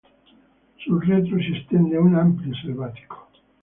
Sul retro si estende un ampio selvatico.